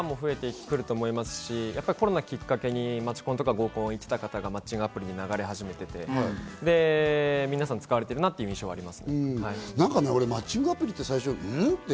これからも増えてくると思いますし、コロナをきっかけに街コン、合コンに行ってた方がマッチングアプリに流れて、皆さん、使われているなという印象はあります。